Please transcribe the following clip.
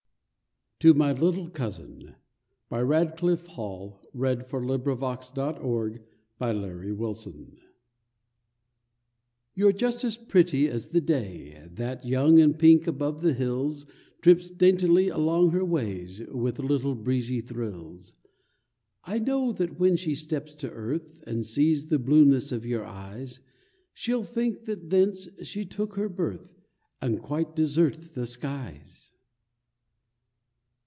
and kiss the dawn, And leave those kisses on her ardent wings. TO MY LITTLE COUSIN You're just as pretty as the Day, That young and pink above the hills Trips daintily along her way, With little breezy thrills. I know that when she steps to earth And sees the blueness of your eyes She'll think that thence she took her birth, And quite desert the skies!